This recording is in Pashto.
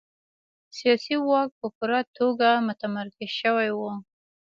سیاسي واک په پوره توګه متمرکز شوی و.